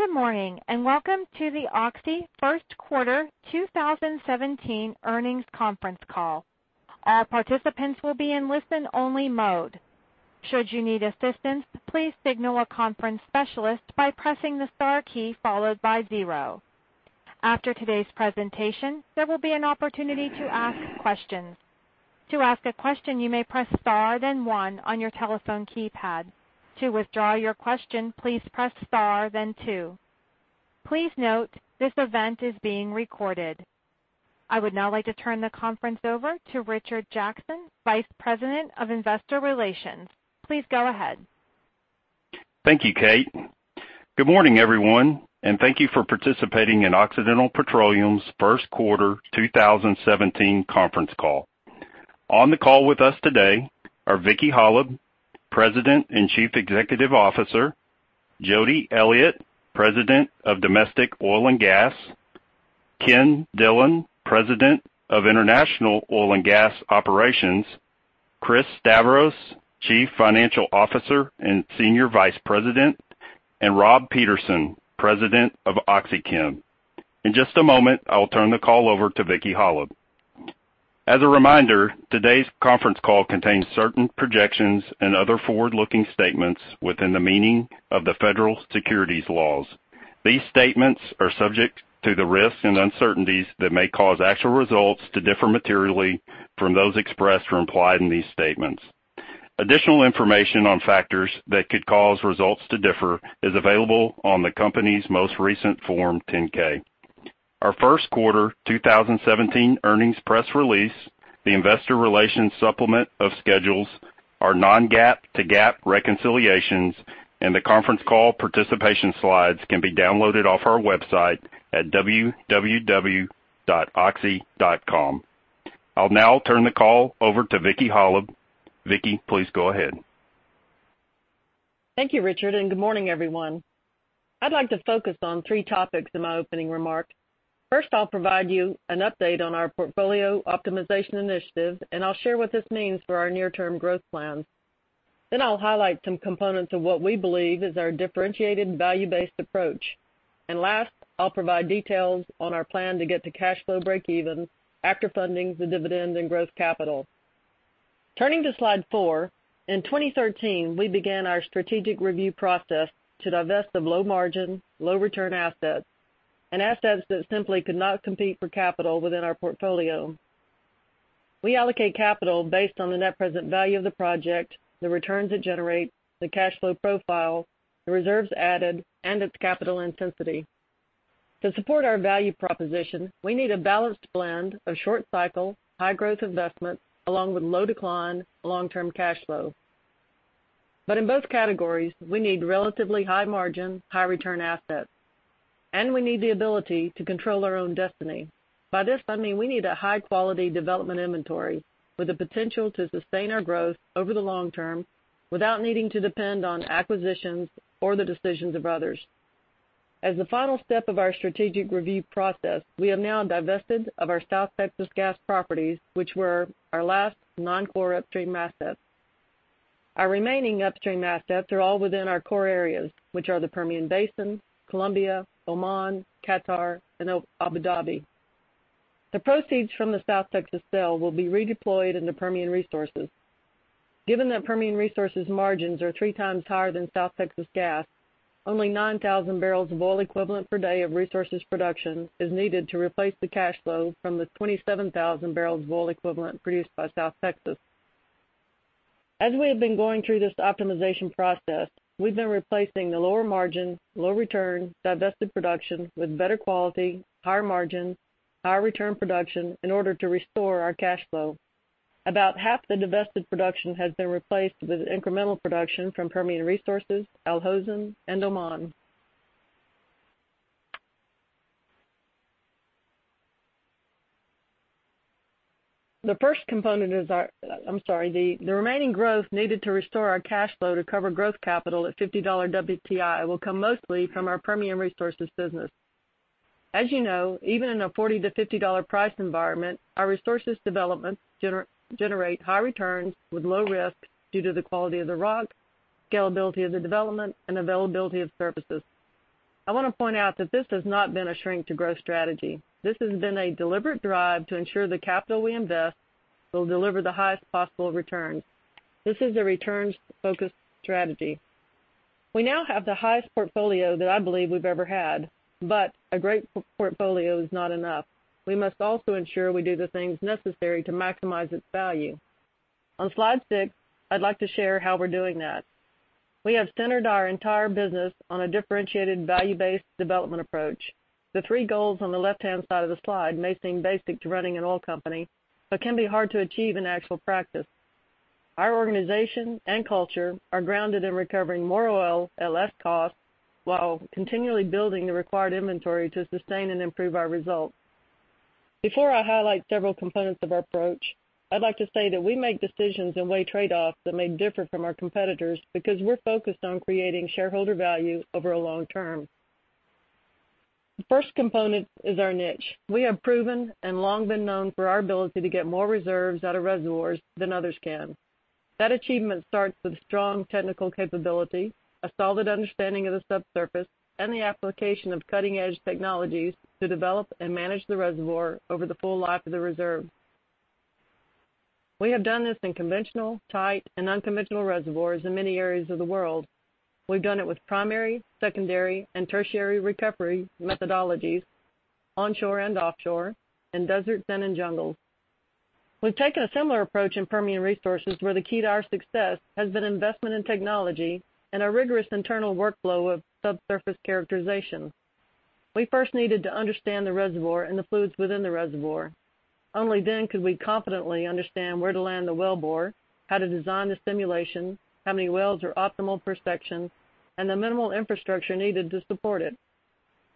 Good morning, and welcome to the Oxy first quarter 2017 earnings conference call. All participants will be in listen-only mode. Should you need assistance, please signal a conference specialist by pressing the star key followed by zero. After today's presentation, there will be an opportunity to ask questions. To ask a question, you may press star, then one on your telephone keypad. To withdraw your question, please press star, then two. Please note, this event is being recorded. I would now like to turn the conference over to Richard Jackson, Vice President of Investor Relations. Please go ahead. Thank you, Kate. Good morning, everyone, and thank you for participating in Occidental Petroleum's first quarter 2017 conference call. On the call with us today are Vicki Hollub, President and Chief Executive Officer, Jody Elliott, President of Domestic Oil and Gas, Ken Dillon, President of International Oil and Gas Operations, Chris Stavros, Chief Financial Officer and Senior Vice President, and Rob Peterson, President of OxyChem. In just a moment, I'll turn the call over to Vicki Hollub. As a reminder, today's conference call contains certain projections and other forward-looking statements within the meaning of the federal securities laws. These statements are subject to the risks and uncertainties that may cause actual results to differ materially from those expressed or implied in these statements. Additional information on factors that could cause results to differ is available on the company's most recent Form 10-K. Our first quarter 2017 earnings press release, the investor relations supplement of schedules, our non-GAAP to GAAP reconciliations, and the conference call participation slides can be downloaded off our website at www.oxy.com. I'll now turn the call over to Vicki Hollub. Vicki, please go ahead. Thank you, Richard. Good morning, everyone. I'd like to focus on three topics in my opening remarks. First, I'll provide you an update on our portfolio optimization initiative, and I'll share what this means for our near-term growth plans. Then I'll highlight some components of what we believe is our differentiated value-based approach. Last, I'll provide details on our plan to get to cash flow breakeven after funding the dividends and growth capital. Turning to slide four, in 2013, we began our strategic review process to divest of low margin, low return assets, and assets that simply could not compete for capital within our portfolio. We allocate capital based on the net present value of the project, the returns it generates, the cash flow profile, the reserves added, and its capital intensity. To support our value proposition, we need a balanced blend of short cycle, high growth investment, along with low decline, long-term cash flow. In both categories, we need relatively high margin, high return assets, and we need the ability to control our own destiny. By this, I mean we need a high-quality development inventory with the potential to sustain our growth over the long term without needing to depend on acquisitions or the decisions of others. As the final step of our strategic review process, we have now divested of our South Texas gas properties, which were our last non-core upstream assets. Our remaining upstream assets are all within our core areas, which are the Permian Basin, Colombia, Oman, Qatar, and Abu Dhabi. The proceeds from the South Texas sale will be redeployed into Permian Resources. Given that Permian Resources' margins are three times higher than South Texas gas, only 9,000 barrels of oil equivalent per day of resources production is needed to replace the cash flow from the 27,000 barrels of oil equivalent produced by South Texas. As we have been going through this optimization process, we've been replacing the lower margin, low return divested production with better quality, higher margin, higher return production in order to restore our cash flow. About half the divested production has been replaced with incremental production from Permian Resources, Al Hosn, and Oman. The remaining growth needed to restore our cash flow to cover growth capital at $50 WTI will come mostly from our Permian Resources business. As you know, even in a $40-$50 price environment, our resources development generate high returns with low risk due to the quality of the rock, scalability of the development, and availability of services. I want to point out that this has not been a shrink to growth strategy. This has been a deliberate drive to ensure the capital we invest will deliver the highest possible returns. This is a returns-focused strategy. We now have the highest portfolio that I believe we've ever had, a great portfolio is not enough. We must also ensure we do the things necessary to maximize its value. On slide six, I'd like to share how we're doing that. We have centered our entire business on a differentiated value-based development approach. The three goals on the left-hand side of the slide may seem basic to running an oil company, can be hard to achieve in actual practice. Our organization and culture are grounded in recovering more oil at less cost, while continually building the required inventory to sustain and improve our results. Before I highlight several components of our approach, I'd like to say that we make decisions and weigh trade-offs that may differ from our competitors because we're focused on creating shareholder value over a long term. The first component is our niche. We have proven and long been known for our ability to get more reserves out of reservoirs than others can. That achievement starts with strong technical capability, a solid understanding of the subsurface, and the application of cutting-edge technologies to develop and manage the reservoir over the full life of the reserve. We have done this in conventional, tight, and unconventional reservoirs in many areas of the world. We've done it with primary, secondary, and tertiary recovery methodologies, onshore and offshore, in deserts and in jungles. We've taken a similar approach in Permian Resources, where the key to our success has been investment in technology and a rigorous internal workflow of subsurface characterization. We first needed to understand the reservoir and the fluids within the reservoir. Only then could we confidently understand where to land the wellbore, how to design the simulation, how many wells are optimal per section, and the minimal infrastructure needed to support it.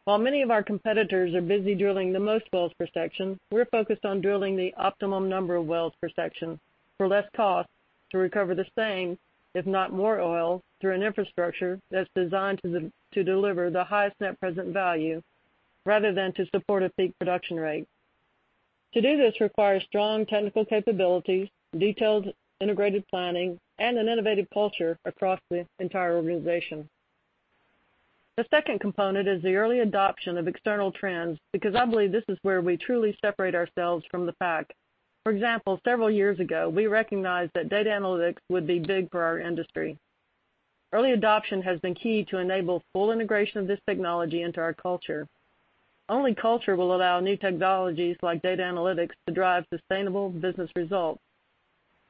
While many of our competitors are busy drilling the most wells per section, we're focused on drilling the optimum number of wells per section for less cost to recover the same, if not more oil, through an infrastructure that's designed to deliver the highest net present value rather than to support a peak production rate. To do this requires strong technical capabilities, detailed integrated planning, and an innovative culture across the entire organization. The second component is the early adoption of external trends, because I believe this is where we truly separate ourselves from the pack. For example, several years ago, we recognized that data analytics would be big for our industry. Early adoption has been key to enable full integration of this technology into our culture. Only culture will allow new technologies like data analytics to drive sustainable business results.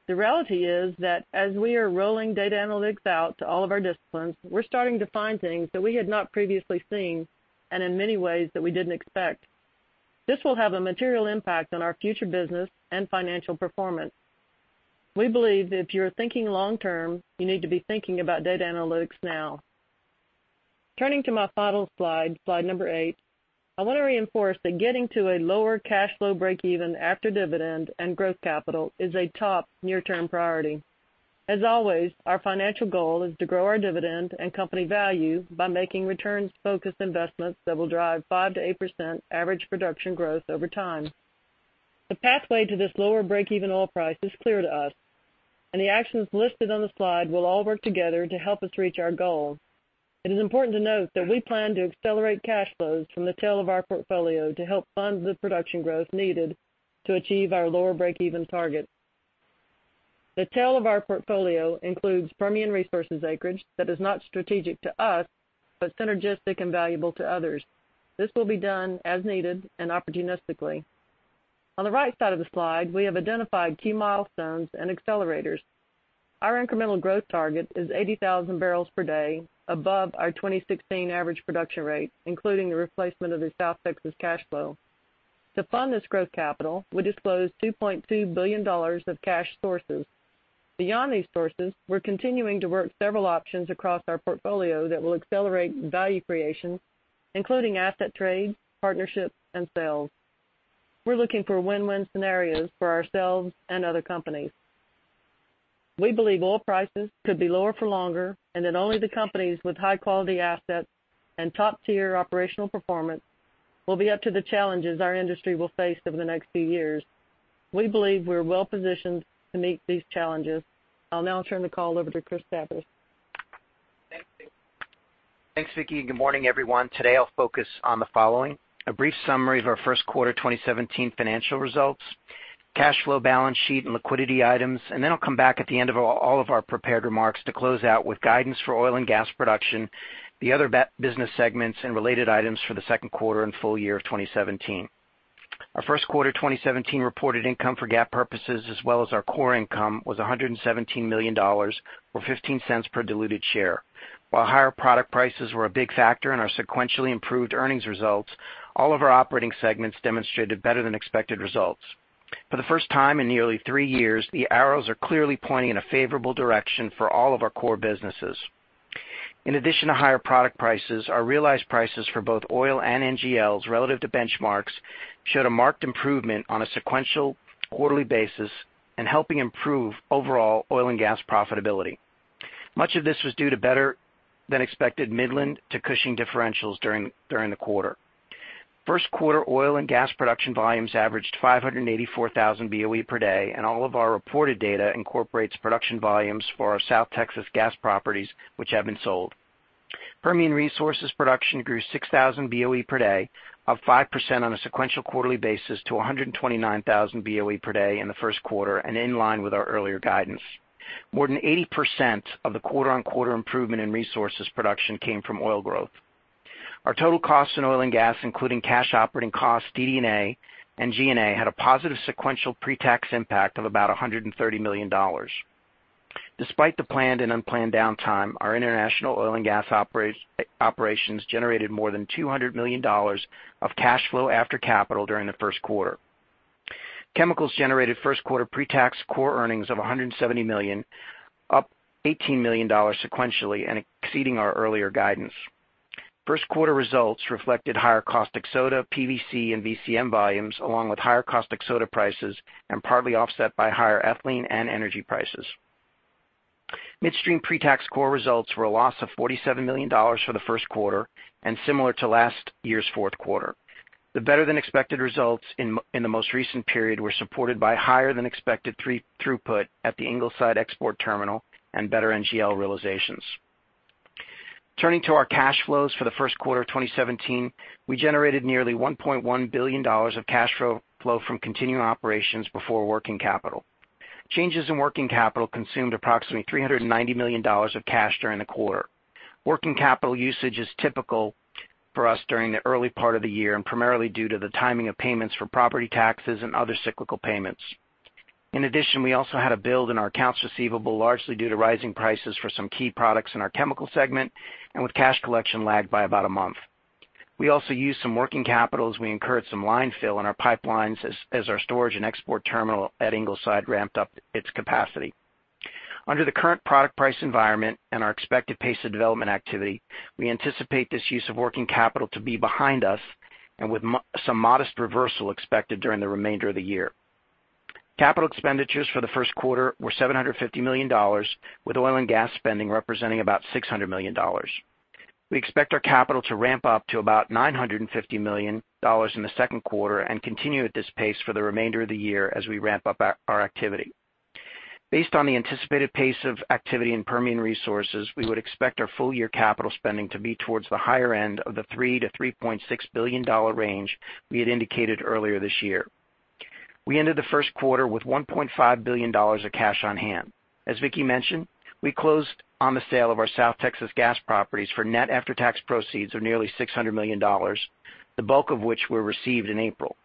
The reality is that as we are rolling data analytics out to all of our disciplines, we're starting to find things that we had not previously seen, and in many ways that we didn't expect. This will have a material impact on our future business and financial performance. We believe if you're thinking long term, you need to be thinking about data analytics now. Turning to my final slide number eight, I want to reinforce that getting to a lower cash flow breakeven after dividend and growth capital is a top near-term priority. As always, our financial goal is to grow our dividend and company value by making returns-focused investments that will drive 5%-8% average production growth over time. The pathway to this lower breakeven oil price is clear to us, the actions listed on the slide will all work together to help us reach our goal. It is important to note that we plan to accelerate cash flows from the tail of our portfolio to help fund the production growth needed to achieve our lower breakeven target. The tail of our portfolio includes Permian Resources acreage that is not strategic to us, but synergistic and valuable to others. This will be done as needed and opportunistically. On the right side of the slide, we have identified key milestones and accelerators. Our incremental growth target is 80,000 bpd above our 2016 average production rate, including the replacement of the South Texas cash flow. To fund this growth capital, we disclosed $2.2 billion of cash sources. Beyond these sources, we're continuing to work several options across our portfolio that will accelerate value creation, including asset trades, partnerships, and sales. We're looking for win-win scenarios for ourselves and other companies. We believe oil prices could be lower for longer, and that only the companies with high-quality assets and top-tier operational performance will be up to the challenges our industry will face over the next few years. We believe we're well positioned to meet these challenges. I'll now turn the call over to Chris Stavros. Thanks, Vicki. Good morning, everyone. Today, I'll focus on the following. A brief summary of our first quarter 2017 financial results, cash flow balance sheet, and liquidity items. Then I'll come back at the end of all of our prepared remarks to close out with guidance for oil and gas production, the other business segments, and related items for the second quarter and full year of 2017. Our first quarter 2017 reported income for GAAP purposes, as well as our core income, was $117 million, or $0.15 per diluted share. While higher product prices were a big factor in our sequentially improved earnings results, all of our operating segments demonstrated better than expected results. For the first time in nearly three years, the arrows are clearly pointing in a favorable direction for all of our core businesses. In addition to higher product prices, our realized prices for both oil and NGLs relative to benchmarks showed a marked improvement on a sequential quarterly basis and helping improve overall oil and gas profitability. Much of this was due to better than expected Midland to Cushing differentials during the quarter. First quarter oil and gas production volumes averaged 584,000 BOE per day, and all of our reported data incorporates production volumes for our South Texas gas properties, which have been sold. Permian Resources production grew 6,000 BOE per day, up 5% on a sequential quarterly basis to 129,000 BOE per day in the first quarter and in line with our earlier guidance. More than 80% of the quarter on quarter improvement in Resources production came from oil growth. Our total cost in oil and gas, including cash operating costs, DD&A, and G&A, had a positive sequential pre-tax impact of about $130 million. Despite the planned and unplanned downtime, our international oil and gas operations generated more than $200 million of cash flow after capital during the first quarter. Chemicals generated first quarter pre-tax core earnings of $170 million, up $18 million sequentially and exceeding our earlier guidance. First quarter results reflected higher caustic soda, PVC, and VCM volumes, along with higher caustic soda prices, and partly offset by higher ethylene and energy prices. Midstream pre-tax core results were a loss of $47 million for the first quarter and similar to last year's fourth quarter. The better-than-expected results in the most recent period were supported by higher than expected throughput at the Ingleside export terminal and better NGL realizations. Turning to our cash flows for the first quarter of 2017, we generated nearly $1.1 billion of cash flow from continuing operations before working capital. Changes in working capital consumed approximately $390 million of cash during the quarter. Working capital usage is typical for us during the early part of the year, primarily due to the timing of payments for property taxes and other cyclical payments. In addition, we also had a build in our accounts receivable, largely due to rising prices for some key products in our chemical segment with cash collection lagged by about a month. We also used some working capital as we incurred some line fill in our pipelines as our storage and export terminal at Ingleside ramped up its capacity. Under the current product price environment with our expected pace of development activity, we anticipate this use of working capital to be behind us with some modest reversal expected during the remainder of the year. Capital expenditures for the first quarter were $750 million, with oil and gas spending representing about $600 million. We expect our capital to ramp up to about $950 million in the second quarter, continue at this pace for the remainder of the year as we ramp up our activity. Based on the anticipated pace of activity in Permian Resources, we would expect our full year capital spending to be towards the higher end of the $3 billion-$3.6 billion range we had indicated earlier this year. We ended the first quarter with $1.5 billion of cash on hand. As Vicki mentioned, we closed on the sale of our South Texas gas properties for net after-tax proceeds of nearly $600 million, the bulk of which were received in April.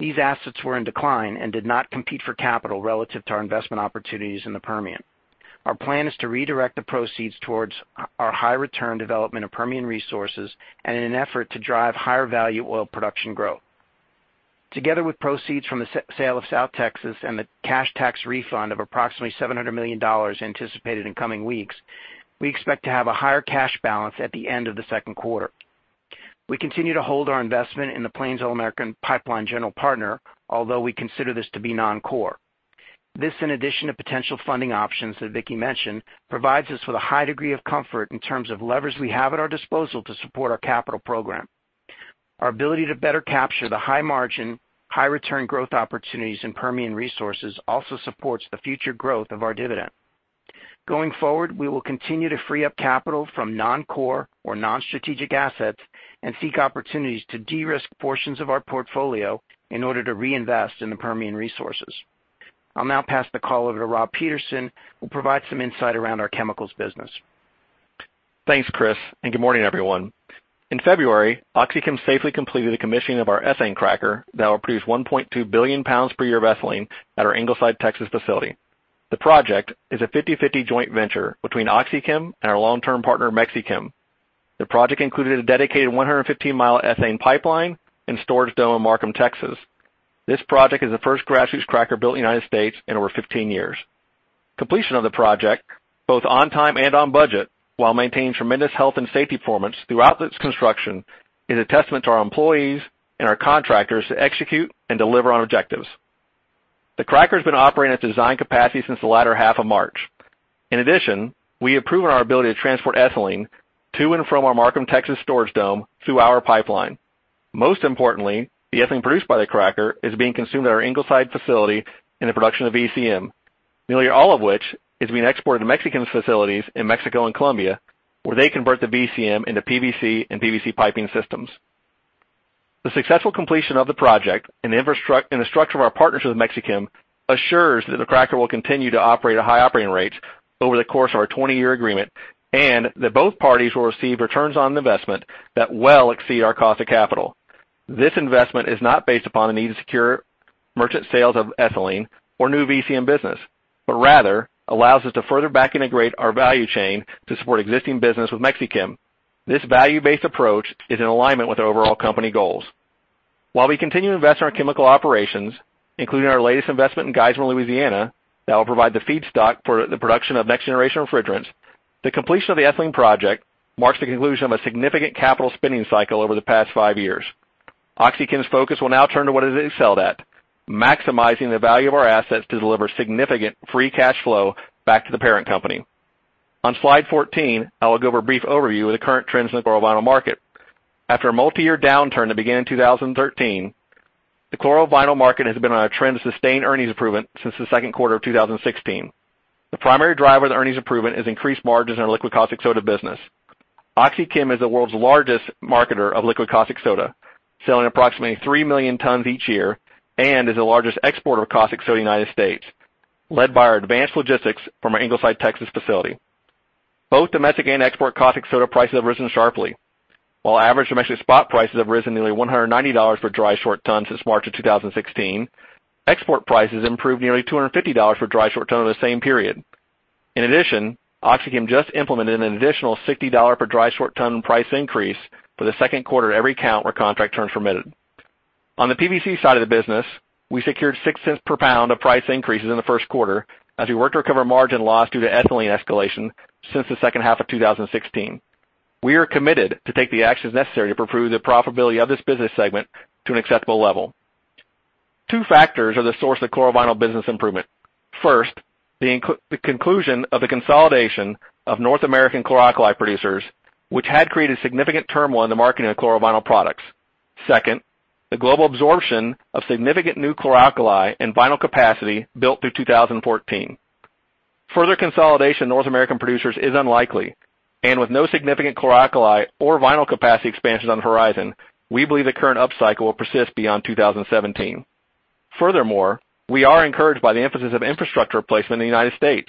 These assets were in decline, did not compete for capital relative to our investment opportunities in the Permian. Our plan is to redirect the proceeds towards our high return development of Permian Resources in an effort to drive higher value oil production growth. Together with proceeds from the sale of South Texas and the cash tax refund of approximately $700 million anticipated in coming weeks, we expect to have a higher cash balance at the end of the second quarter. We continue to hold our investment in the Plains All American Pipeline general partner, we consider this to be non-core. This, in addition to potential funding options that Vicki mentioned, provides us with a high degree of comfort in terms of levers we have at our disposal to support our capital program. Our ability to better capture the high margin, high return growth opportunities in Permian Resources also supports the future growth of our dividend. Going forward, we will continue to free up capital from non-core or non-strategic assets, seek opportunities to de-risk portions of our portfolio in order to reinvest in the Permian Resources. I'll now pass the call over to Rob Peterson, who will provide some insight around our chemicals business. Thanks, Chris, and good morning, everyone. In February, OxyChem safely completed the commissioning of our ethane cracker that will produce 1.2 billion pounds per year of ethylene at our Ingleside, Texas facility. The project is a 50-50 joint venture between OxyChem and our long-term partner, Orbia. The project included a dedicated 115-mi ethane pipeline and storage dome in Markham, Texas. This project is the first grassroots cracker built in the U.S. in over 15 years. Completion of the project, both on time and on budget, while maintaining tremendous health and safety performance throughout its construction, is a testament to our employees and our contractors to execute and deliver on objectives. The cracker has been operating at design capacity since the latter half of March. In addition, we have proven our ability to transport ethylene to and from our Markham, Texas storage dome through our pipeline. Most importantly, the ethylene produced by the cracker is being consumed at our Ingleside facility in the production of VCM, nearly all of which is being exported to Orbia's facilities in Mexico and Colombia, where they convert the VCM into PVC and PVC piping systems. The successful completion of the project and the structure of our partnership with Orbia assures that the cracker will continue to operate at high operating rates over the course of our 20-year agreement and that both parties will receive returns on investment that well exceed our cost of capital. This investment is not based upon the need to secure merchant sales of ethylene or new VCM business, rather allows us to further back integrate our value chain to support existing business with Orbia. This value-based approach is in alignment with our overall company goals. While we continue to invest in our chemical operations, including our latest investment in Geismar, Louisiana, that will provide the feedstock for the production of next generation refrigerants, the completion of the ethylene project marks the conclusion of a significant capital spending cycle over the past five years. OxyChem's focus will now turn to what it excelled at, maximizing the value of our assets to deliver significant free cash flow back to the parent company. On slide 14, I will give a brief overview of the current trends in the chlorovinyl market. After a multi-year downturn that began in 2013, the chlorovinyl market has been on a trend of sustained earnings improvement since the second quarter of 2016. The primary driver of the earnings improvement is increased margins in our liquid caustic soda business. OxyChem is the world's largest marketer of liquid caustic soda, selling approximately three million tons each year, and is the largest exporter of caustic soda in the U.S., led by our advanced logistics from our Ingleside, Texas facility. Both domestic and export caustic soda prices have risen sharply. While average domestic spot prices have risen nearly $190 per dry short ton since March of 2016, export prices improved nearly $250 per dry short ton over the same period. In addition, OxyChem just implemented an additional $60 per dry short ton price increase for the second quarter every count where contract terms permitted. On the PVC side of the business, we secured $0.06 per pound of price increases in the first quarter as we worked to recover margin loss due to ethylene escalation since the second half of 2016. We are committed to take the actions necessary to improve the profitability of this business segment to an acceptable level. Two factors are the source of chlorovinyl business improvement. First, the conclusion of the consolidation of North American chlor-alkali producers, which had created significant turmoil in the marketing of chlorovinyl products. Second, the global absorption of significant new chlor-alkali and vinyl capacity built through 2014. With no significant chlor-alkali or vinyl capacity expansions on the horizon, we believe the current upcycle will persist beyond 2017. Furthermore, we are encouraged by the emphasis of infrastructure replacement in the U.S.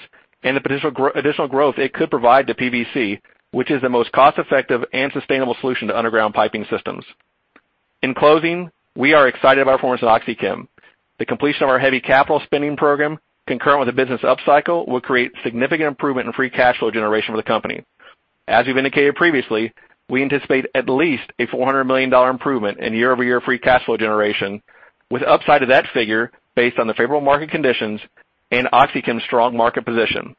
and the potential additional growth it could provide to PVC, which is the most cost-effective and sustainable solution to underground piping systems. In closing, we are excited about the performance of OxyChem. The completion of our heavy capital spending program, concurrent with the business upcycle, will create significant improvement in free cash flow generation for the company. As we've indicated previously, we anticipate at least a $400 million improvement in year-over-year free cash flow generation, with upside of that figure based on the favorable market conditions and OxyChem's strong market position.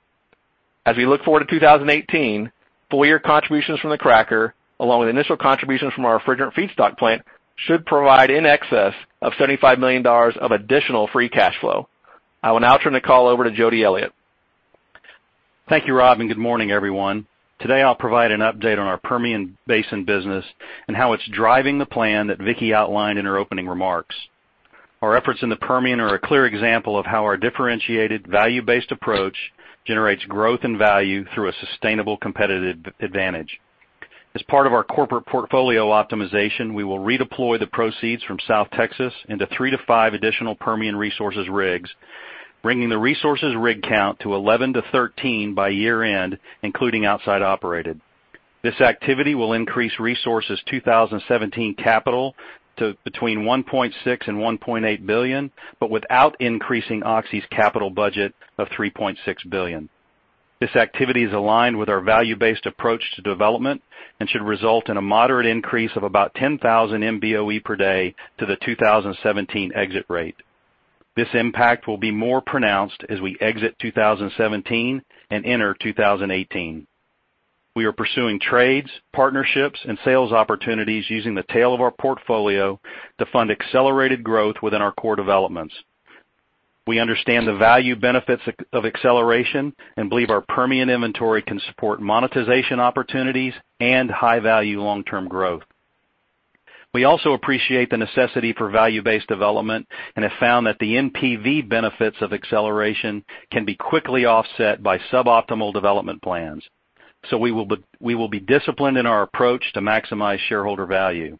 We look forward to 2018, full-year contributions from the cracker, along with initial contributions from our refrigerant feedstock plant, should provide in excess of $75 million of additional free cash flow. I will now turn the call over to Jody Elliott. Thank you, Rob. Good morning, everyone. I'll provide an update on our Permian Basin business and how it's driving the plan that Vicki outlined in her opening remarks. Our efforts in the Permian are a clear example of how our differentiated value-based approach generates growth and value through a sustainable competitive advantage. Part of our corporate portfolio optimization, we will redeploy the proceeds from South Texas into three to five additional Permian Resources rigs, bringing the resources rig count to 11-13 by year-end, including outside-operated. This activity will increase Resources' 2017 capital to between $1.6 billion-$1.8 billion, without increasing Oxy's capital budget of $3.6 billion. This activity is aligned with our value-based approach to development and should result in a moderate increase of about 10,000 MBOE per day to the 2017 exit rate. This impact will be more pronounced as we exit 2017 and enter 2018. We are pursuing trades, partnerships, and sales opportunities using the tail of our portfolio to fund accelerated growth within our core developments. We understand the value benefits of acceleration. We believe our Permian inventory can support monetization opportunities and high-value long-term growth. We also appreciate the necessity for value-based development. We have found that the NPV benefits of acceleration can be quickly offset by suboptimal development plans. We will be disciplined in our approach to maximize shareholder value.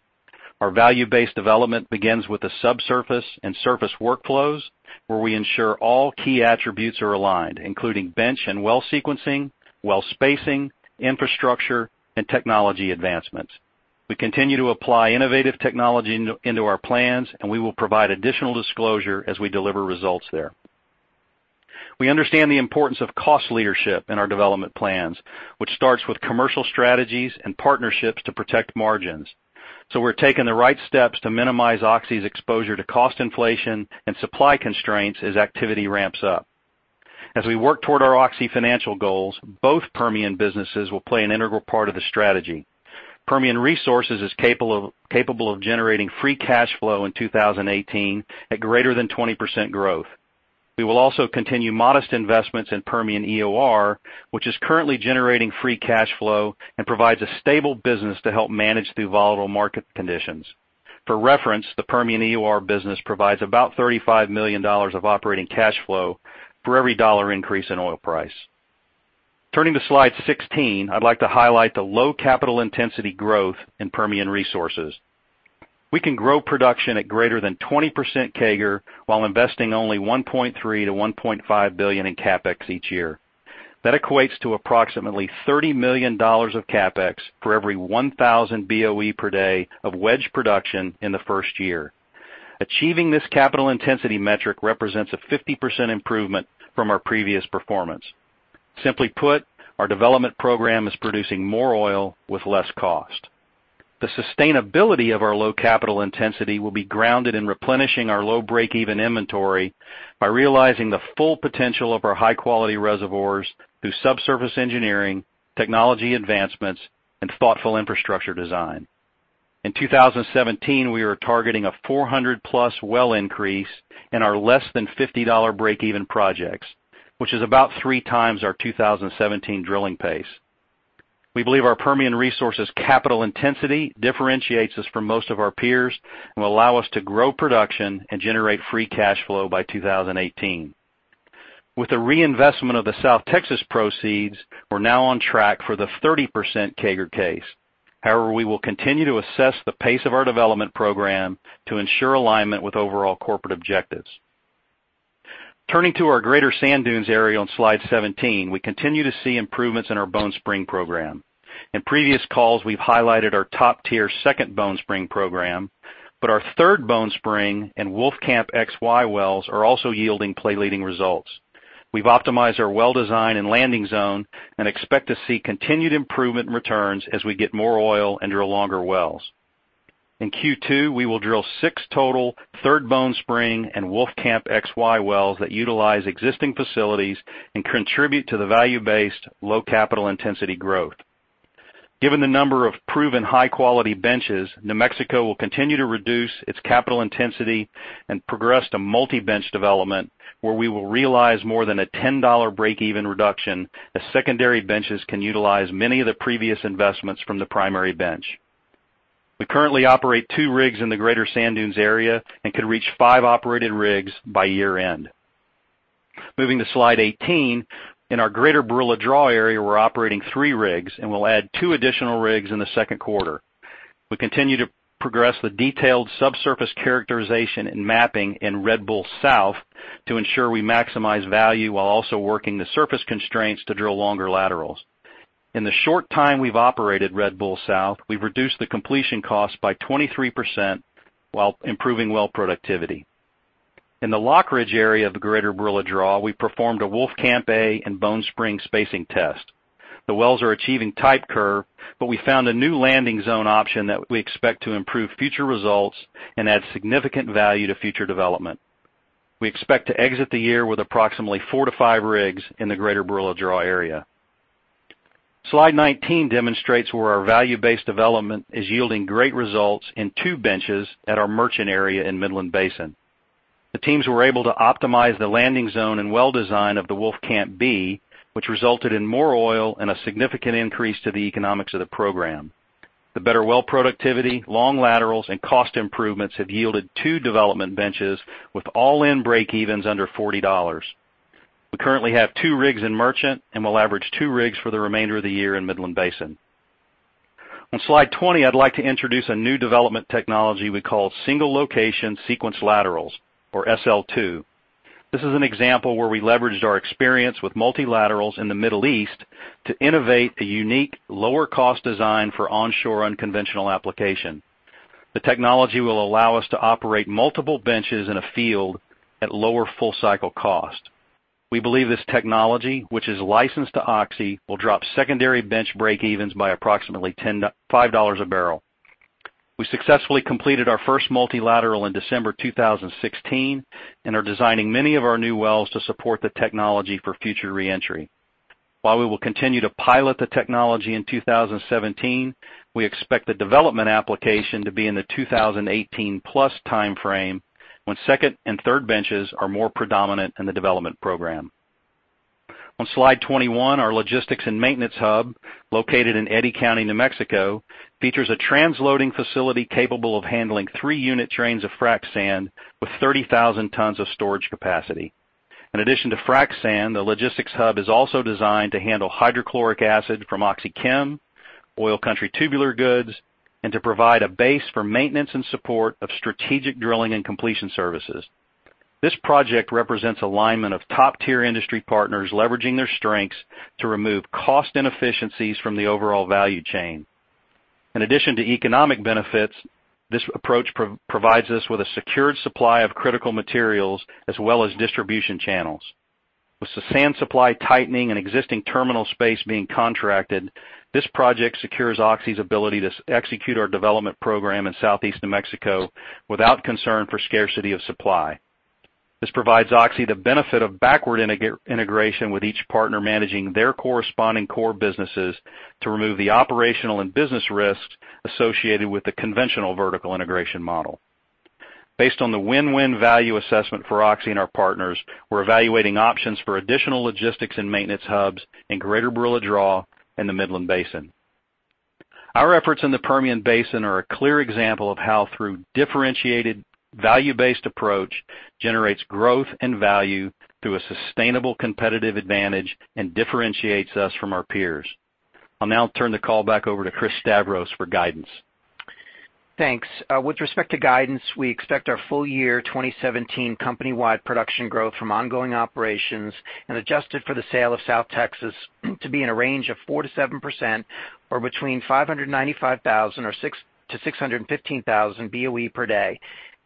Our value-based development begins with the subsurface and surface workflows, where we ensure all key attributes are aligned, including bench and well sequencing, well spacing, infrastructure, and technology advancements. We continue to apply innovative technology into our plans. We will provide additional disclosure as we deliver results there. We understand the importance of cost leadership in our development plans, which starts with commercial strategies and partnerships to protect margins. We're taking the right steps to minimize Oxy's exposure to cost inflation and supply constraints as activity ramps up. As we work toward our Oxy financial goals, both Permian businesses will play an integral part of the strategy. Permian Resources is capable of generating free cash flow in 2018 at greater than 20% growth. We will also continue modest investments in Permian EOR, which is currently generating free cash flow and provides a stable business to help manage through volatile market conditions. For reference, the Permian EOR business provides about $35 million of operating cash flow for every dollar increase in oil price. Turning to slide 16, I'd like to highlight the low capital intensity growth in Permian Resources. We can grow production at greater than 20% CAGR while investing only $1.3 billion-$1.5 billion in CapEx each year. That equates to approximately $30 million of CapEx for every 1,000 BOE per day of wedge production in the first year. Achieving this capital intensity metric represents a 50% improvement from our previous performance. Simply put, our development program is producing more oil with less cost. The sustainability of our low capital intensity will be grounded in replenishing our low breakeven inventory by realizing the full potential of our high-quality reservoirs through subsurface engineering, technology advancements, and thoughtful infrastructure design. In 2017, we are targeting a 400+ well increase in our less than $50 breakeven projects, which is about three times our 2017 drilling pace. We believe our Permian Resources capital intensity differentiates us from most of our peers and will allow us to grow production and generate free cash flow by 2018. With the reinvestment of the South Texas proceeds, we're now on track for the 30% CAGR case. We will continue to assess the pace of our development program to ensure alignment with overall corporate objectives. Turning to our Greater Sand Dunes area on slide 17, we continue to see improvements in our Bone Spring program. In previous calls, we've highlighted our top-tier Second Bone Spring program, but our Third Bone Spring and Wolfcamp XY wells are also yielding play-leading results. We've optimized our well design and landing zone and expect to see continued improvement in returns as we get more oil and drill longer wells. In Q2, we will drill six total Third Bone Spring and Wolfcamp XY wells that utilize existing facilities and contribute to the value-based low capital intensity growth. Given the number of proven high-quality benches, New Mexico will continue to reduce its capital intensity and progress to multi-bench development, where we will realize more than a $10 breakeven reduction as secondary benches can utilize many of the previous investments from the primary bench. We currently operate two rigs in the Greater Sand Dunes area and could reach five operated rigs by year-end. Moving to slide 18, in our Greater Barilla Draw area, we're operating three rigs, and we'll add two additional rigs in the second quarter. We continue to progress the detailed subsurface characterization and mapping in Red Bull South to ensure we maximize value while also working the surface constraints to drill longer laterals. In the short time we've operated Red Bull South, we've reduced the completion cost by 23% while improving well productivity. In the Lockridge area of the Greater Barilla Draw, we performed a Wolfcamp A and Bone Spring spacing test. The wells are achieving type curve. We found a new landing zone option that we expect to improve future results and add significant value to future development. We expect to exit the year with approximately four to five rigs in the Greater Barilla Draw area. Slide 19 demonstrates where our value-based development is yielding great results in two benches at our Merchant area in Midland Basin. The teams were able to optimize the landing zone and well design of the Wolfcamp B, which resulted in more oil and a significant increase to the economics of the program. The better well productivity, long laterals, and cost improvements have yielded two development benches with all-in breakevens under $40. We currently have two rigs in Merchant, and we'll average two rigs for the remainder of the year in Midland Basin. On slide 20, I'd like to introduce a new development technology we call single-location sequence laterals, or SL2. This is an example where we leveraged our experience with multilaterals in the Middle East to innovate a unique lower cost design for onshore unconventional application. The technology will allow us to operate multiple benches in a field at lower full-cycle cost. We believe this technology, which is licensed to Oxy, will drop secondary bench breakevens by approximately $5 a barrel. We successfully completed our first multilateral in December 2016 and are designing many of our new wells to support the technology for future re-entry. While we will continue to pilot the technology in 2017, we expect the development application to be in the 2018 plus timeframe, when second and third benches are more predominant in the development program. On slide 21, our logistics and maintenance hub, located in Eddy County, New Mexico, features a transloading facility capable of handling three unit trains of frac sand with 30,000 tons of storage capacity. In addition to frac sand, the logistics hub is also designed to handle hydrochloric acid from OxyChem, Oil Country Tubular Goods, and to provide a base for maintenance and support of strategic drilling and completion services. This project represents alignment of top-tier industry partners leveraging their strengths to remove cost inefficiencies from the overall value chain. In addition to economic benefits, this approach provides us with a secured supply of critical materials as well as distribution channels. With the sand supply tightening and existing terminal space being contracted, this project secures Oxy's ability to execute our development program in Southeast New Mexico without concern for scarcity of supply. This provides Oxy the benefit of backward integration with each partner managing their corresponding core businesses to remove the operational and business risks associated with the conventional vertical integration model. Based on the win-win value assessment for Oxy and our partners, we're evaluating options for additional logistics and maintenance hubs in Greater Barilla Draw in the Midland Basin. Our efforts in the Permian Basin are a clear example of how through differentiated value-based approach generates growth and value through a sustainable competitive advantage and differentiates us from our peers. I'll now turn the call back over to Chris Stavros for guidance. Thanks. With respect to guidance, we expect our full year 2017 company-wide production growth from ongoing operations and adjusted for the sale of South Texas to be in a range of 4%-7%, or between 595,000-615,000 BOE per day.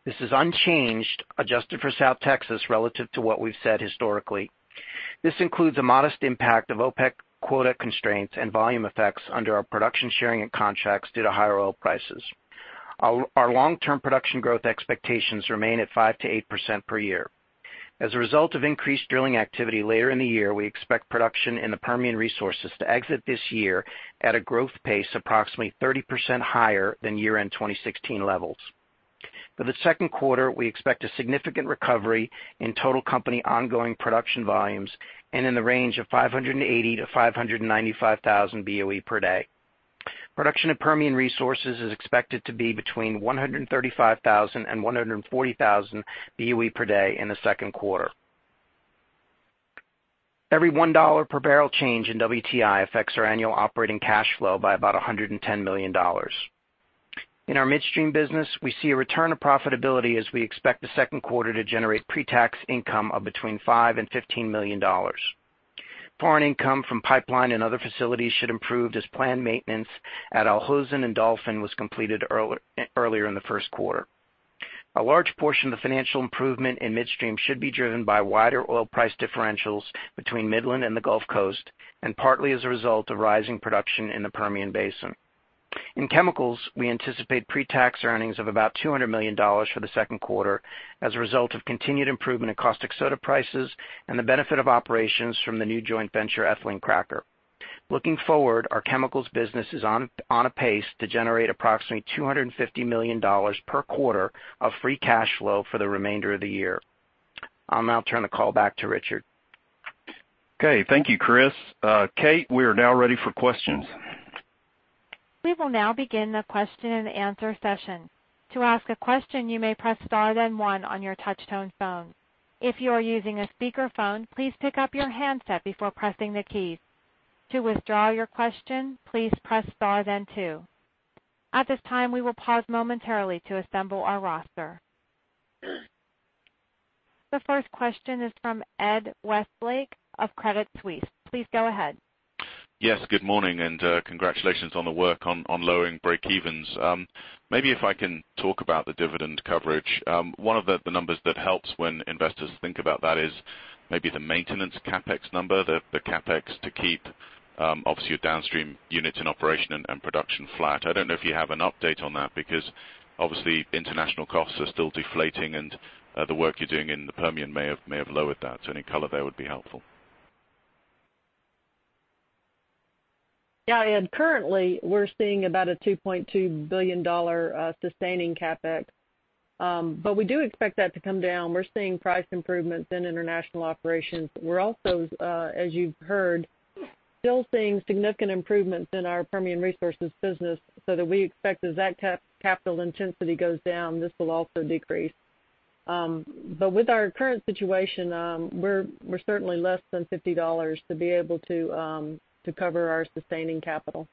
This is unchanged, adjusted for South Texas, relative to what we've said historically. This includes a modest impact of OPEC quota constraints and volume effects under our production sharing and contracts due to higher oil prices. Our long-term production growth expectations remain at 5%-8% per year. As a result of increased drilling activity later in the year, we expect production in the Permian Resources to exit this year at a growth pace approximately 30% higher than year-end 2016 levels. For the second quarter, we expect a significant recovery in total company ongoing production volumes and in the range of 580,000-595,000 BOE per day. Production of Permian Resources is expected to be between 135,000 and 140,000 BOE per day in the second quarter. Every $1 per barrel change in WTI affects our annual operating cash flow by about $110 million. In our midstream business, we see a return to profitability as we expect the second quarter to generate pre-tax income of between $5 million and $15 million. Foreign income from pipeline and other facilities should improve as planned maintenance at Al Hosn and Dolphin was completed earlier in the first quarter. A large portion of the financial improvement in midstream should be driven by wider oil price differentials between Midland and the Gulf Coast, and partly as a result of rising production in the Permian Basin. In chemicals, we anticipate pre-tax earnings of about $200 million for the second quarter as a result of continued improvement in caustic soda prices and the benefit of operations from the new joint venture ethylene cracker. Looking forward, our chemicals business is on a pace to generate approximately $250 million per quarter of free cash flow for the remainder of the year. I'll now turn the call back to Richard. Okay. Thank you, Chris. Kate, we are now ready for questions. We will now begin the question-and-answer session. To ask a question, you may press star then one on your touch-tone phone. If you are using a speakerphone, please pick up your handset before pressing the keys. To withdraw your question, please press star then two. At this time, we will pause momentarily to assemble our roster. The first question is from Ed Westlake of Credit Suisse. Please go ahead. Yes, good morning. Congratulations on the work on lowering breakevens. Maybe if I can talk about the dividend coverage. One of the numbers that helps when investors think about that is maybe the maintenance CapEx number, the CapEx to keep, obviously, your downstream units in operation and production flat. I don't know if you have an update on that because, obviously, international costs are still deflating and the work you're doing in the Permian may have lowered that. Any color there would be helpful. Yeah, Ed. Currently, we're seeing about a $2.2 billion sustaining CapEx. We do expect that to come down. We're seeing price improvements in international operations. We're also, as you've heard, still seeing significant improvements in our Permian Resources business, so that we expect as that capital intensity goes down, this will also decrease. With our current situation, we're certainly less than $50 to be able to cover our sustaining capital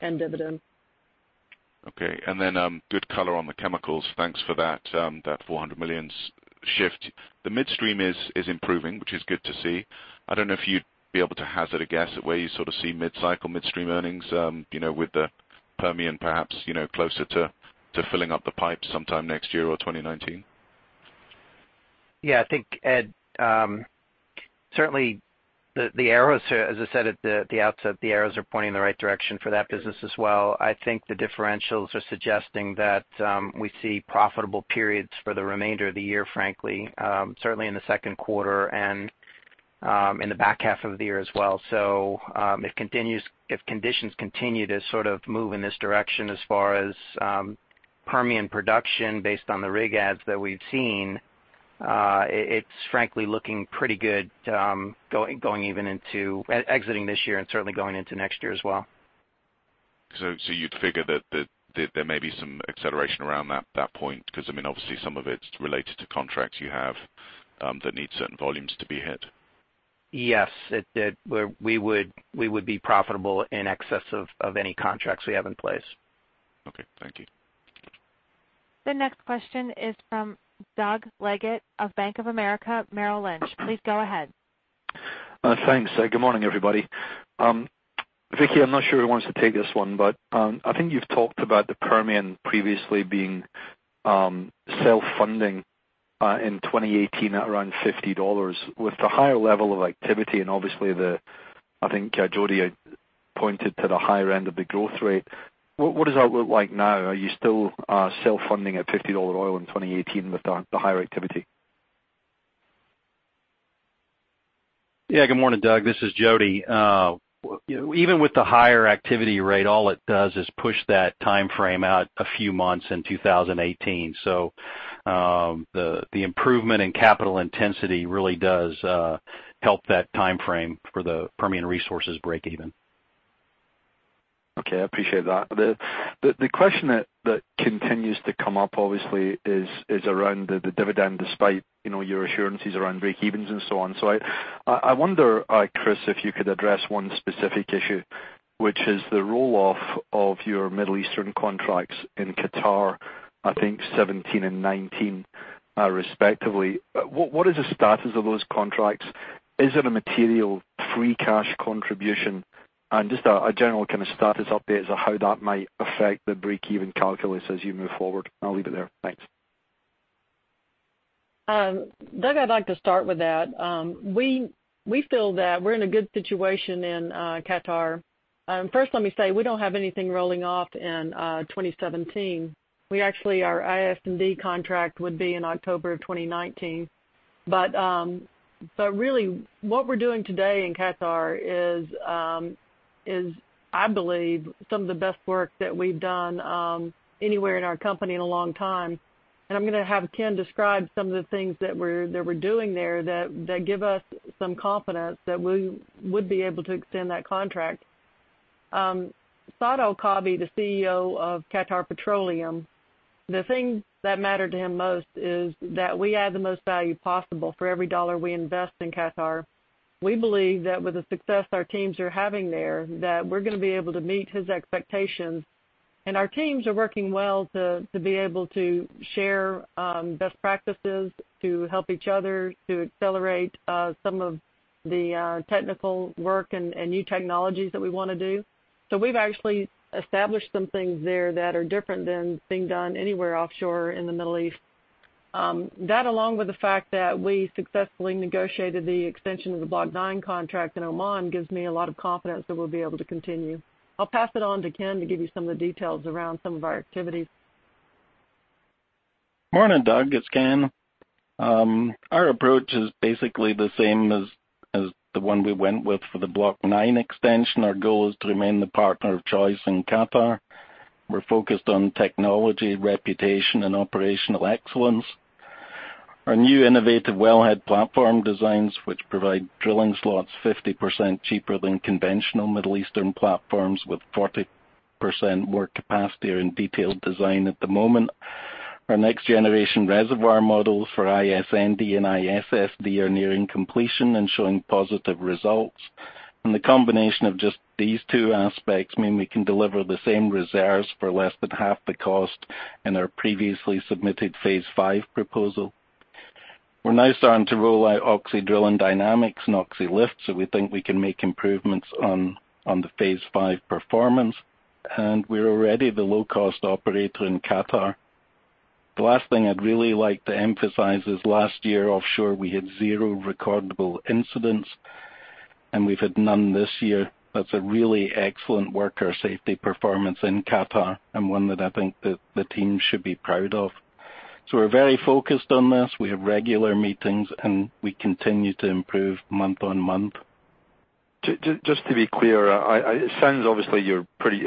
and dividend. Okay. Good color on the chemicals. Thanks for that $400 million shift. The midstream is improving, which is good to see. I don't know if you'd be able to hazard a guess at where you sort of see mid-cycle, midstream earnings, with the Permian perhaps closer to filling up the pipe sometime next year or 2019. Yeah, I think, Ed, certainly, as I said at the outset, the arrows are pointing in the right direction for that business as well. I think the differentials are suggesting that we see profitable periods for the remainder of the year, frankly, certainly in the second quarter and in the back half of the year as well. If conditions continue to sort of move in this direction as far as Permian production based on the rig adds that we've seen, it's frankly looking pretty good exiting this year and certainly going into next year as well. You'd figure that there may be some acceleration around that point because, I mean, obviously, some of it's related to contracts you have that need certain volumes to be hit. Yes. We would be profitable in excess of any contracts we have in place. Okay. Thank you. The next question is from Doug Leggate of Bank of America Merrill Lynch. Please go ahead. Thanks. Good morning, everybody. Vicki, I'm not sure who wants to take this one, but I think you've talked about the Permian previously being self-funding in 2018 at around $50. With the higher level of activity and obviously I think, Jody had pointed to the higher end of the growth rate. What does that look like now? Are you still self-funding at $50 oil in 2018 with the higher activity? Yeah. Good morning, Doug. This is Jody. Even with the higher activity rate, all it does is push that timeframe out a few months in 2018. The improvement in capital intensity really does help that timeframe for the Permian Resources breakeven. Okay. I appreciate that. The question that continues to come up obviously is around the dividend, despite your assurances around breakevens and so on. I wonder, Chris, if you could address one specific issue, which is the roll-off of your Middle Eastern contracts in Qatar, I think 2017 and 2019, respectively. What is the status of those contracts? Is it a material free cash contribution? Just a general kind of status update as to how that might affect the breakeven calculus as you move forward. I'll leave it there. Thanks. Doug, I'd like to start with that. We feel that we're in a good situation in Qatar. First let me say, we don't have anything rolling off in 2017. Our ISND contract would be in October of 2019. Really what we're doing today in Qatar is, I believe, some of the best work that we've done anywhere in our company in a long time. I'm going to have Ken describe some of the things that we're doing there that give us some confidence that we would be able to extend that contract. Saad Al-Kaabi, the CEO of Qatar Petroleum, the thing that mattered to him most is that we add the most value possible for every dollar we invest in Qatar. We believe that with the success our teams are having there, that we're going to be able to meet his expectations, and our teams are working well to be able to share best practices to help each other to accelerate some of the technical work and new technologies that we want to do. We've actually established some things there that are different than being done anywhere offshore in the Middle East. That along with the fact that we successfully negotiated the extension of the Block 9 contract in Oman gives me a lot of confidence that we'll be able to continue. I'll pass it on to Ken to give you some of the details around some of our activities. Morning, Doug. It's Ken. Our approach is basically the same as the one we went with for the Block 9 extension. Our goal is to remain the partner of choice in Qatar. We're focused on technology, reputation, and operational excellence. Our new innovative wellhead platform designs, which provide drilling slots 50% cheaper than conventional Middle Eastern platforms with 40% more capacity, are in detailed design at the moment. Our next-generation reservoir models for ISND and ISSD are nearing completion and showing positive results. The combination of just these two aspects mean we can deliver the same reserves for less than half the cost in our previously submitted Phase 5 proposal. We're now starting to roll out Oxy Drilling Dynamics and OxyLIFT, we think we can make improvements on the Phase 5 performance, and we're already the low-cost operator in Qatar. The last thing I'd really like to emphasize is last year offshore, we had zero recordable incidents, and we've had none this year. That's a really excellent worker safety performance in Qatar and one that I think that the team should be proud of. We're very focused on this. We have regular meetings, and we continue to improve month-on-month. Just to be clear, it sounds obviously you're pretty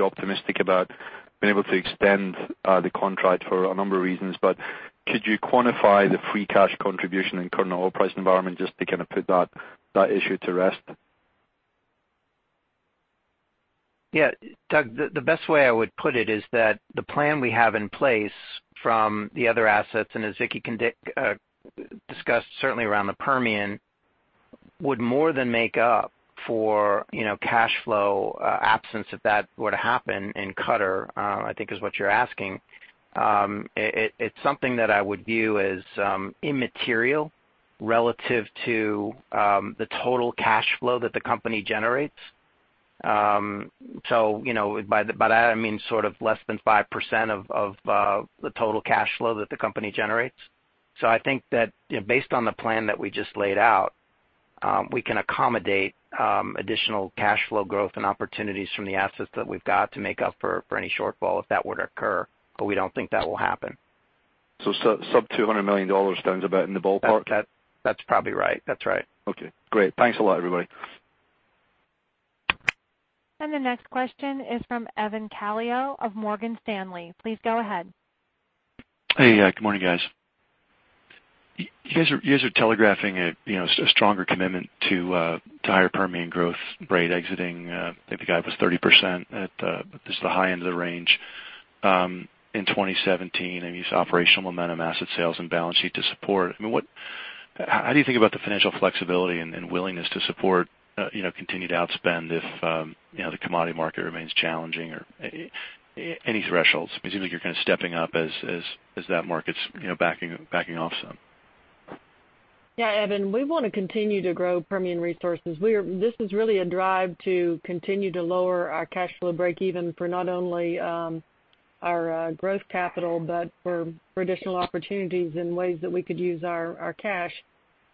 optimistic about being able to extend the contract for a number of reasons. Could you quantify the free cash contribution in current oil price environment just to put that issue to rest? Yeah. Doug, the best way I would put it is that the plan we have in place from the other assets, and as Vicki discussed certainly around the Permian, would more than make up for cash flow absence if that were to happen in Qatar, I think is what you're asking. It's something that I would view as immaterial relative to the total cash flow that the company generates. By that I mean less than 5% of the total cash flow that the company generates. I think that based on the plan that we just laid out, we can accommodate additional cash flow growth and opportunities from the assets that we've got to make up for any shortfall if that were to occur, we don't think that will happen. Sub-$200 million sounds about in the ballpark? That's probably right. That's right. Okay, great. Thanks a lot, everybody. The next question is from Evan Calio of Morgan Stanley. Please go ahead. Hey. Good morning, guys. You guys are telegraphing a stronger commitment to higher Permian growth rate exiting, I think the guide was 30% at the high end of the range in 2017, and use operational momentum, asset sales, and balance sheet to support. How do you think about the financial flexibility and willingness to support continued outspend if the commodity market remains challenging or any thresholds? It seems like you're stepping up as that market's backing off some. Yeah, Evan, we want to continue to grow Permian Resources. This is really a drive to continue to lower our cash flow breakeven for not only our growth capital but for additional opportunities and ways that we could use our cash.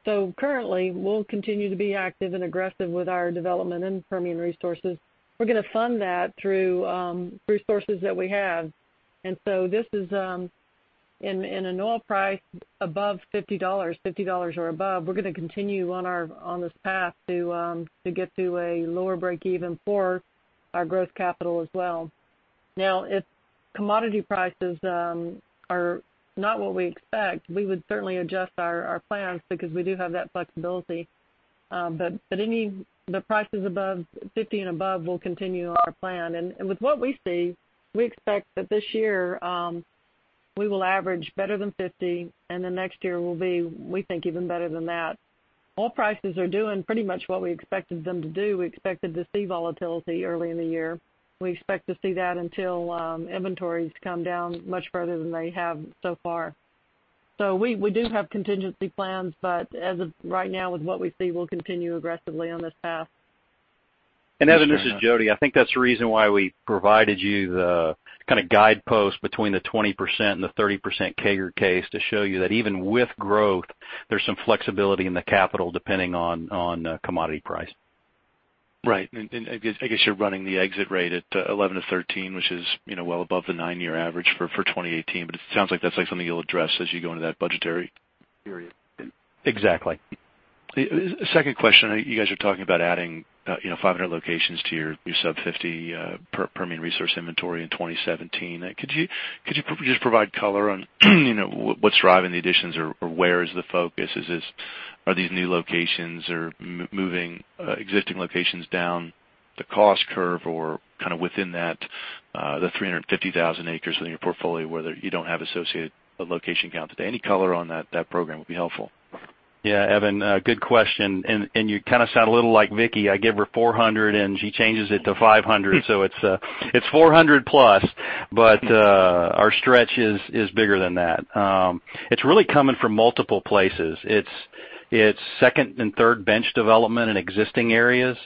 Currently, we'll continue to be active and aggressive with our development in Permian Resources. We're going to fund that through sources that we have. This is in an oil price above $50, $50 or above, we're going to continue on this path to get to a lower breakeven for our growth capital as well. Now, if commodity prices are not what we expect, we would certainly adjust our plans because we do have that flexibility. Any prices above $50 and above will continue our plan. With what we see, we expect that this year, we will average better than $50, next year will be, we think, even better than that. Oil prices are doing pretty much what we expected them to do. We expected to see volatility early in the year. We expect to see that until inventories come down much further than they have so far. We do have contingency plans, as of right now, with what we see, we'll continue aggressively on this path. Evan, this is Jody. I think that's the reason why we provided you the guidepost between the 20% and the 30% CAGR case to show you that even with growth, there's some flexibility in the capital depending on commodity price. Right. I guess you're running the exit rate at 11%-13%, which is well above the nine-year average for 2018. It sounds like that's something you'll address as you go into that budgetary period. Exactly. A second question. You guys are talking about adding 500 locations to your sub 50 Permian resource inventory in 2017. Could you just provide color on what's driving the additions, or where is the focus? Are these new locations or moving existing locations down the cost curve or within that 350,000 acres within your portfolio, whether you don't have associated location count today? Any color on that program would be helpful. Evan, good question. You kind of sound a little like Vicki. I give her 400, she changes it to 500. It's 400+, our stretch is bigger than that. It's really coming from multiple places. It's second and third bench development in existing areas.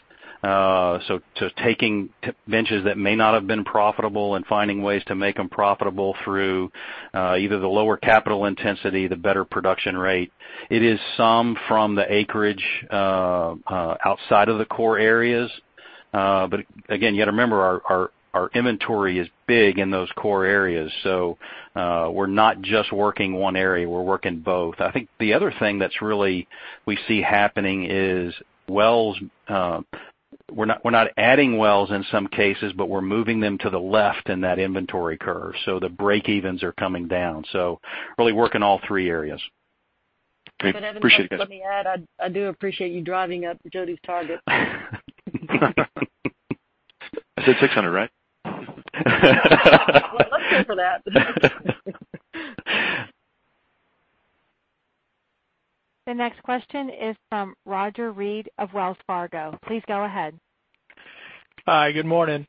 Taking benches that may not have been profitable and finding ways to make them profitable through either the lower capital intensity, the better production rate. It is some from the acreage outside of the core areas. Again, you got to remember, our inventory is big in those core areas, we're not just working one area, we're working both. I think the other thing that's really we see happening is we're not adding wells in some cases, we're moving them to the left in that inventory curve. The breakevens are coming down. Really working all three areas. Great. Appreciate it, guys. Evan, let me add, I do appreciate you driving up Jody's target. I said 600, right? Well, let's go for that. The next question is from Roger Read of Wells Fargo. Please go ahead. Hi, good morning.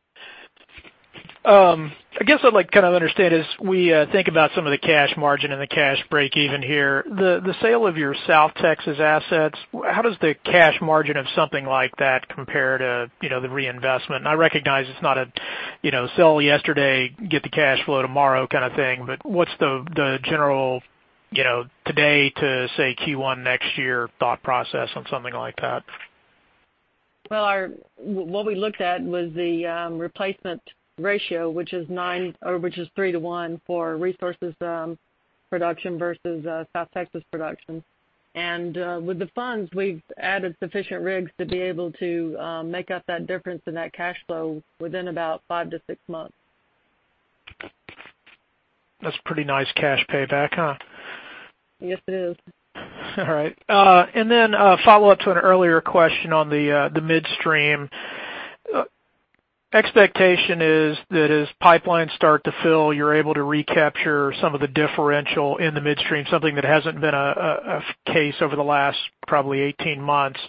I guess what I'd like to understand is, we think about some of the cash margin and the cash breakeven here. The sale of your South Texas assets, how does the cash margin of something like that compare to the reinvestment? I recognize it's not a sell yesterday, get the cash flow tomorrow kind of thing, what's the general today to, say, Q1 next year thought process on something like that? Well, what we looked at was the replacement ratio, which is three to one for resources production versus South Texas production. With the funds, we've added sufficient rigs to be able to make up that difference in that cash flow within about five to six months. That's pretty nice cash payback, huh? Yes, it is. All right. A follow-up to an earlier question on the midstream. Expectation is that as pipelines start to fill, you're able to recapture some of the differential in the midstream, something that hasn't been a case over the last probably 18 months.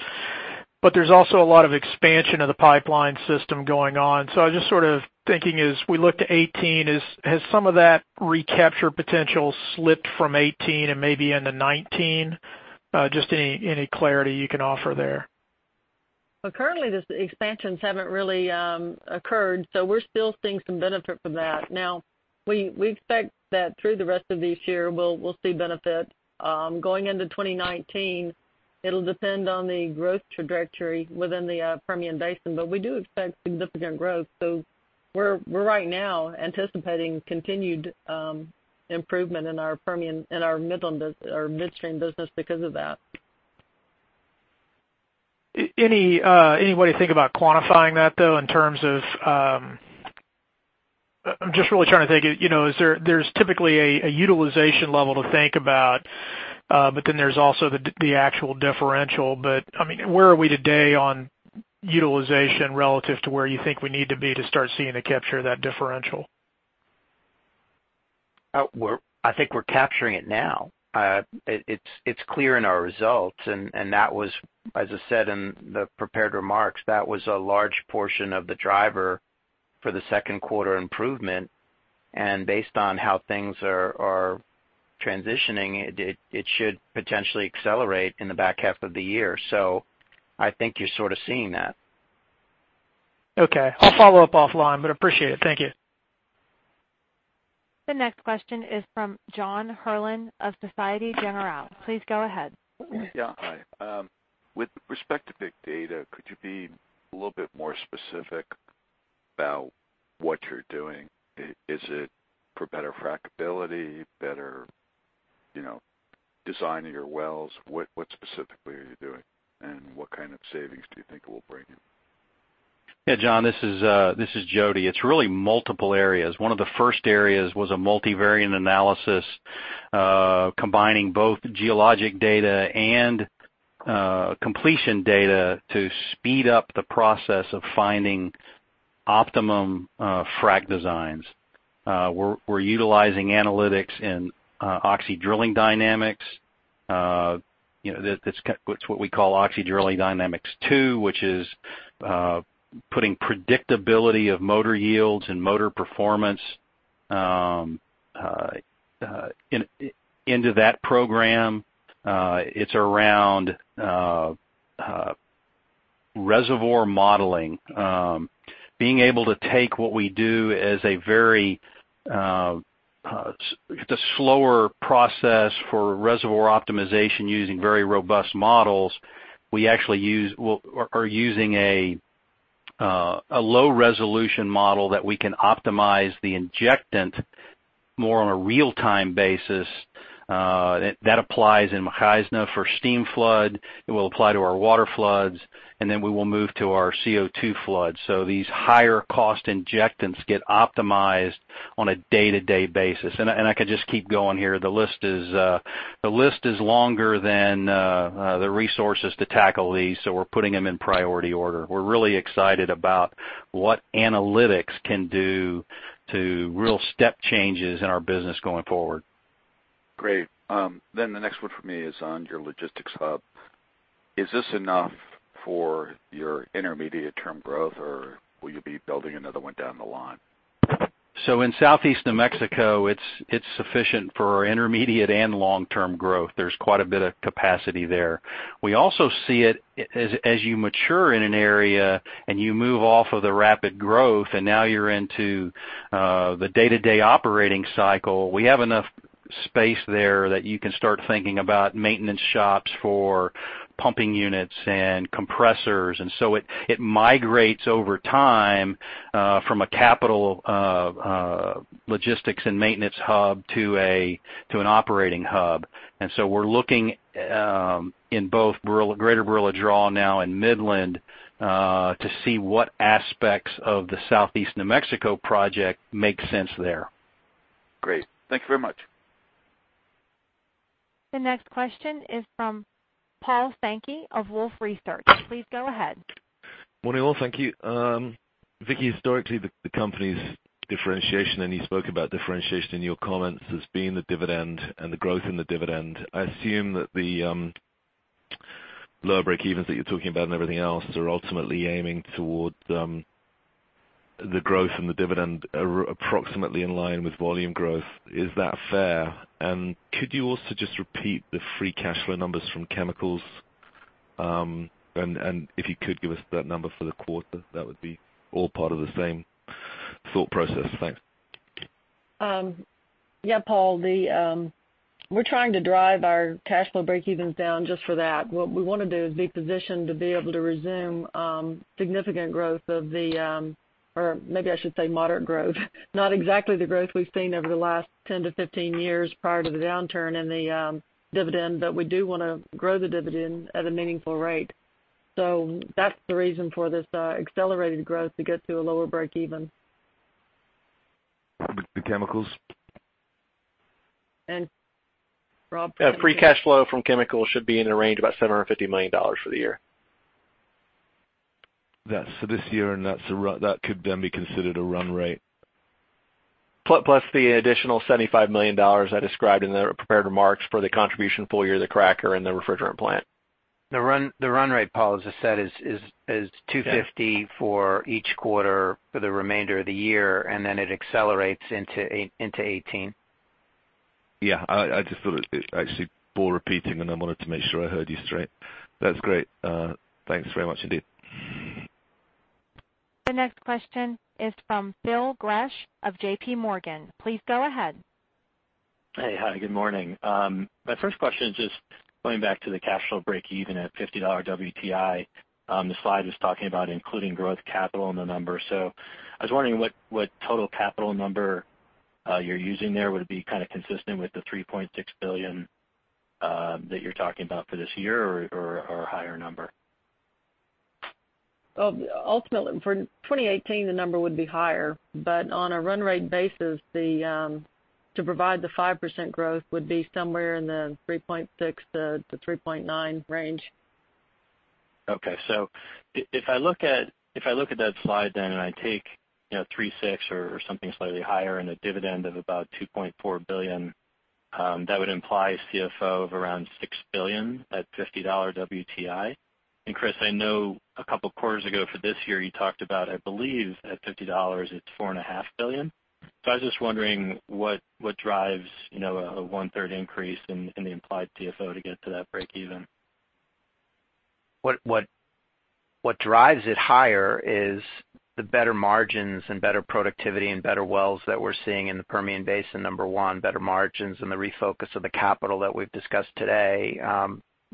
There's also a lot of expansion of the pipeline system going on. I was just thinking as we look to 2018, has some of that recapture potential slipped from 2018 and maybe into 2019? Just any clarity you can offer there. Well, currently, those expansions haven't really occurred, we're still seeing some benefit from that. Now, we expect that through the rest of this year, we'll see benefit. Going into 2019, it'll depend on the growth trajectory within the Permian Basin, but we do expect significant growth. We're right now anticipating continued improvement in our midstream business because of that. Any way to think about quantifying that, though? I'm just really trying to think, there's typically a utilization level to think about, then there's also the actual differential. Where are we today on utilization relative to where you think we need to be to start seeing a capture of that differential? I think we're capturing it now. It's clear in our results, that was, as I said in the prepared remarks, that was a large portion of the driver for the second quarter improvement. Based on how things are transitioning, it should potentially accelerate in the back half of the year. I think you're sort of seeing that. Okay. I'll follow up offline, appreciate it. Thank you. The next question is from John Herrlin of Société Générale. Please go ahead. Yeah. Hi. With respect to big data, could you be a little bit more specific about what you're doing? Is it for better frackability, better designing your wells? What specifically are you doing, and what kind of savings do you think it will bring you? Yeah, John, this is Jody. It's really multiple areas. One of the first areas was a multivariate analysis combining both geologic data and completion data to speed up the process of finding optimum frack designs. We're utilizing analytics in Oxy Drilling Dynamics. It's what we call Oxy Drilling Dynamics II, which is putting predictability of motor yields and motor performance into that program. It's around reservoir modeling. Being able to take what we do as a slower process for reservoir optimization using very robust models. We actually are using a low-resolution model that we can optimize the injectant more on a real-time basis. That applies in Means Field for steam flood, it will apply to our water floods, then we will move to our CO2 flood. These higher-cost injectants get optimized on a day-to-day basis. I could just keep going here. The list is longer than the resources to tackle these, we're putting them in priority order. We're really excited about what analytics can do to real step changes in our business going forward. Great. The next one for me is on your logistics hub. Is this enough for your intermediate-term growth, or will you be building another one down the line? In Southeast New Mexico, it's sufficient for intermediate and long-term growth. There's quite a bit of capacity there. We also see it as you mature in an area and you move off of the rapid growth, and now you're into the day-to-day operating cycle. We have enough space there that you can start thinking about maintenance shops for pumping units and compressors. It migrates over time from a capital logistics and maintenance hub to an operating hub. We're looking in both Greater Barilla Draw now and Midland to see what aspects of the Southeast New Mexico project make sense there. Great. Thank you very much. The next question is from Paul Sankey of Wolfe Research. Please go ahead. Morning all. Thank you. Vicki, historically, the company's differentiation, and you spoke about differentiation in your comments, has been the dividend and the growth in the dividend. I assume that the lower break-evens that you're talking about and everything else are ultimately aiming towards the growth in the dividend approximately in line with volume growth. Is that fair? Could you also just repeat the free cash flow numbers from chemicals? If you could give us that number for the quarter, that would be all part of the same thought process. Thanks. Yeah, Paul, we're trying to drive our cash flow break-evens down just for that. What we want to do is be positioned to be able to resume significant growth of the or maybe I should say moderate growth. Not exactly the growth we've seen over the last 10-15 years prior to the downturn in the dividend, but we do want to grow the dividend at a meaningful rate. That's the reason for this accelerated growth to get to a lower break-even. The chemicals? Rob? Free cash flow from chemicals should be in a range about $750 million for the year. That's for this year, that could then be considered a run rate. Plus the additional $75 million I described in the prepared remarks for the contribution full year of the cracker and the refrigerant plant. The run rate, Paul, as I said, is $250 for each quarter for the remainder of the year, then it accelerates into 2018. Yeah. I just thought it actually bore repeating, and I wanted to make sure I heard you straight. That's great. Thanks very much indeed. The next question is from Phil Gresh of JPMorgan. Please go ahead. Hey. Hi, good morning. My first question is just going back to the cash flow breakeven at $50 WTI. The slide was talking about including growth capital in the number. I was wondering what total capital number you're using there. Would it be kind of consistent with the $3.6 billion that you're talking about for this year or a higher number? Ultimately for 2018, the number would be higher, but on a run rate basis, to provide the 5% growth would be somewhere in the $3.6 billion-$3.9 billion range. If I look at that slide then and I take $3.6 billion or something slightly higher and a dividend of about $2.4 billion, that would imply CFO of around $6 billion at $50 WTI. Chris, I know a couple of quarters ago for this year, you talked about, I believe, at $50 it's $4.5 billion. I was just wondering what drives a one-third increase in the implied CFO to get to that breakeven. What drives it higher is the better margins and better productivity and better wells that we're seeing in the Permian Basin, number one, better margins and the refocus of the capital that we've discussed today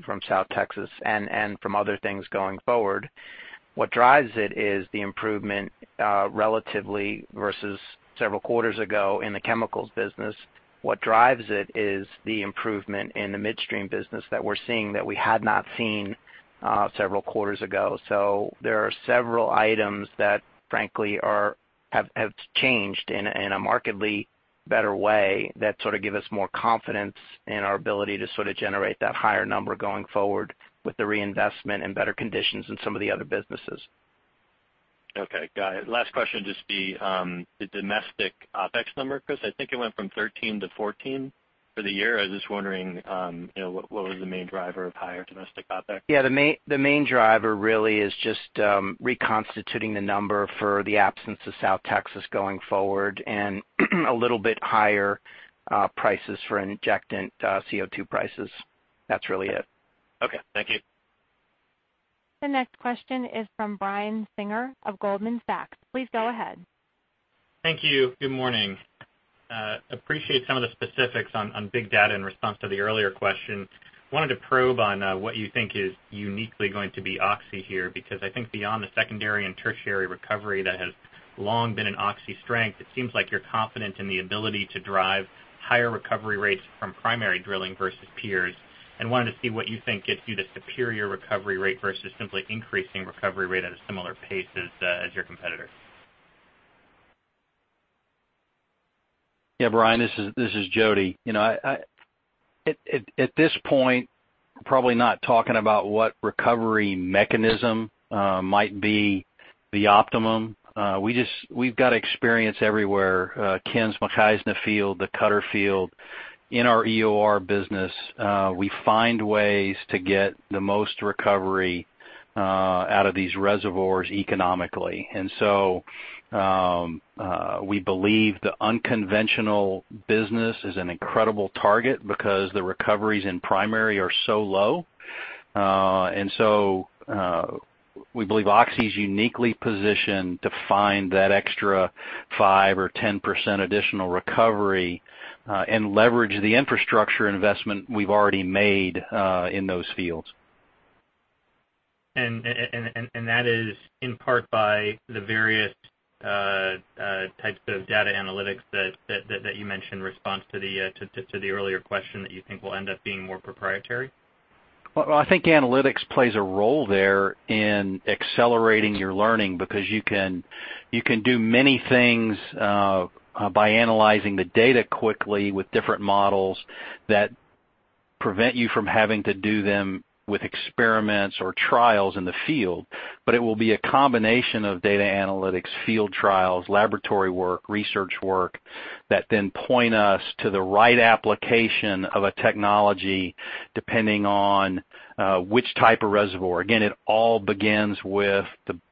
from South Texas and from other things going forward. What drives it is the improvement, relatively versus several quarters ago in the chemicals business. What drives it is the improvement in the midstream business that we're seeing that we had not seen several quarters ago. There are several items that frankly have changed in a markedly better way that sort of give us more confidence in our ability to sort of generate that higher number going forward with the reinvestment and better conditions in some of the other businesses. Got it. Last question, just the domestic OpEx number, Chris, I think it went from 13 to 14 for the year. I was just wondering what was the main driver of higher domestic OpEx? The main driver really is just reconstituting the number for the absence of South Texas going forward and a little bit higher prices for injectant CO2 prices. That's really it. Okay. Thank you. The next question is from Brian Singer of Goldman Sachs. Please go ahead. Thank you. Good morning. Appreciate some of the specifics on big data in response to the earlier question. Wanted to probe on what you think is uniquely going to be Oxy here, because I think beyond the secondary and tertiary recovery that has long been an Oxy strength, it seems like you're confident in the ability to drive higher recovery rates from primary drilling versus peers. Wanted to see what you think gets you the superior recovery rate versus simply increasing recovery rate at a similar pace as your competitors. Yeah, Brian, this is Jody. At this point, probably not talking about what recovery mechanism might be the optimum. We've got experience everywhere. Ken's McHenry Field, the Cutter Field in our EOR business, we find ways to get the most recovery out of these reservoirs economically. We believe the unconventional business is an incredible target because the recoveries in primary are so low. We believe Oxy is uniquely positioned to find that extra 5% or 10% additional recovery, and leverage the infrastructure investment we've already made in those fields. That is in part by the various types of data analytics that you mentioned in response to the earlier question that you think will end up being more proprietary? I think analytics plays a role there in accelerating your learning because you can do many things by analyzing the data quickly with different models that prevent you from having to do them with experiments or trials in the field. It will be a combination of data analytics, field trials, laboratory work, research work, that then point us to the right application of a technology, depending on which type of reservoir. It all begins with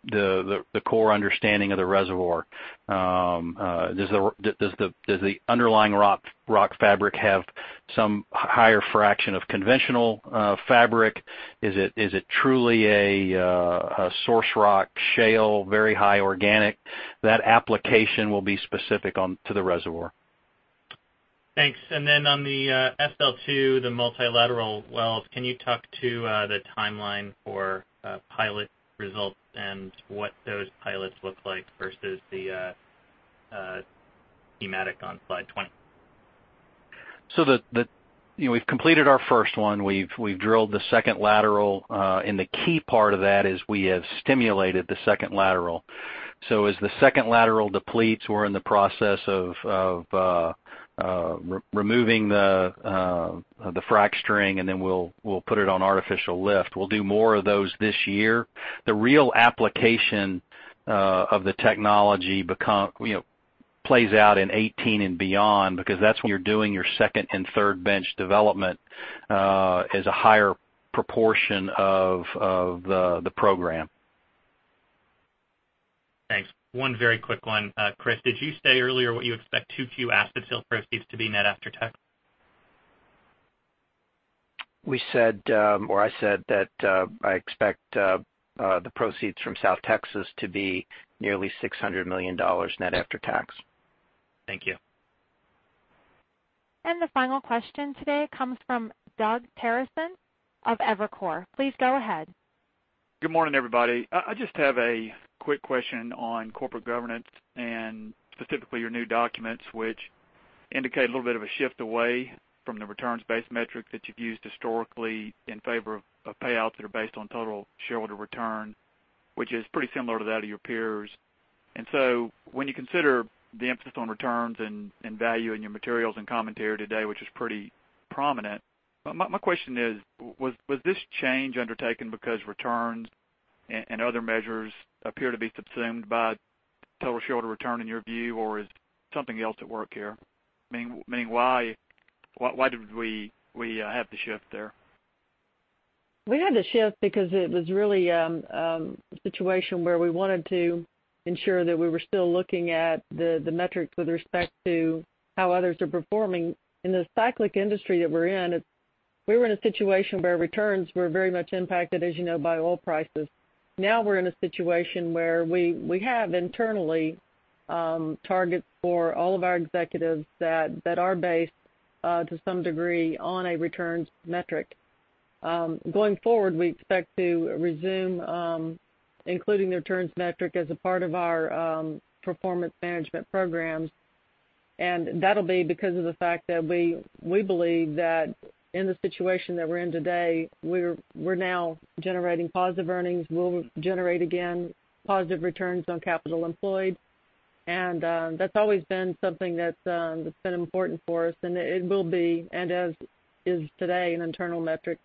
the core understanding of the reservoir. Does the underlying rock fabric have some higher fraction of conventional fabric? Is it truly a source rock shale, very high organic? That application will be specific to the reservoir. Thanks. Then on the SL2, the multilateral wells, can you talk to the timeline for pilot results and what those pilots look like versus the schematic on slide 20? We've completed our first one. We've drilled the second lateral, and the key part of that is we have stimulated the second lateral. As the second lateral depletes, we're in the process of removing the frac string, and then we'll put it on artificial lift. We'll do more of those this year. The real application of the technology plays out in 2018 and beyond, because that's when you're doing your second and third bench development as a higher proportion of the program. Thanks. One very quick one. Chris, did you say earlier what you expect 2Q asset sale proceeds to be net after tax? We said, or I said that I expect the proceeds from South Texas to be nearly $600 million net after tax. Thank you. The final question today comes from Doug Terreson of Evercore. Please go ahead. Good morning, everybody. I just have a quick question on corporate governance and specifically your new documents, which indicate a little bit of a shift away from the returns-based metric that you've used historically in favor of payouts that are based on total shareholder return, which is pretty similar to that of your peers. When you consider the emphasis on returns and value in your materials and commentary today, which is pretty prominent, my question is: Was this change undertaken because returns and other measures appear to be subsumed by total shareholder return in your view, or is something else at work here? Meaning, why did we have the shift there? We had the shift because it was really a situation where we wanted to ensure that we were still looking at the metrics with respect to how others are performing. In the cyclic industry that we're in, we were in a situation where returns were very much impacted, as you know, by oil prices. Now we're in a situation where we have internally targets for all of our executives that are based to some degree on a returns metric. Going forward, we expect to resume including the returns metric as a part of our performance management programs, and that'll be because of the fact that we believe that in the situation that we're in today, we're now generating positive earnings. We'll generate again positive returns on capital employed, and that's always been something that's been important for us, and it will be, and as is today, an internal metric.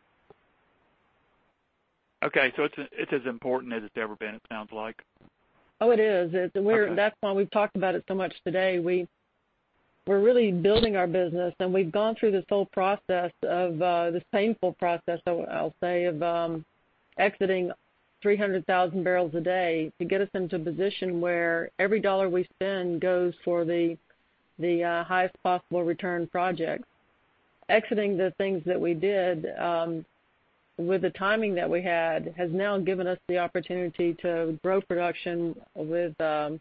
Okay, it's as important as it's ever been, it sounds like. Oh, it is. Okay. That's why we've talked about it so much today. We're really building our business, and we've gone through this painful process, I'll say, of exiting 300,000 bpd to get us into a position where every dollar we spend goes for the highest possible return projects. Exiting the things that we did with the timing that we had has now given us the opportunity to grow production with the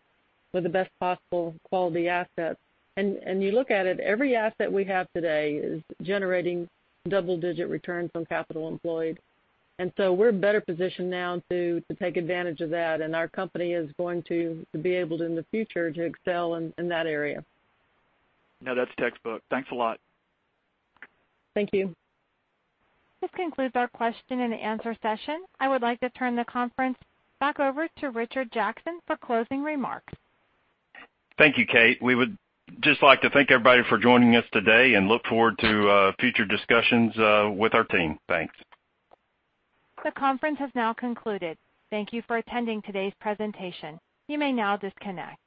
best possible quality assets. You look at it, every asset we have today is generating double-digit returns on capital employed. We're better positioned now to take advantage of that, and our company is going to be able to, in the future, to excel in that area. No, that's textbook. Thanks a lot. Thank you. This concludes our question and answer session. I would like to turn the conference back over to Richard Jackson for closing remarks. Thank you, Kate. We would just like to thank everybody for joining us today and look forward to future discussions with our team. Thanks. The conference has now concluded. Thank you for attending today's presentation. You may now disconnect.